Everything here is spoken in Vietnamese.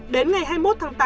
đến ngày hai mươi một tháng tám